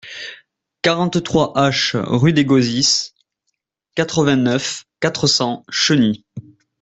quarante-trois H rue des Gauzys, quatre-vingt-neuf, quatre cents, Cheny